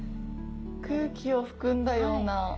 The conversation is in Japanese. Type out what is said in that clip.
空気を含んだような。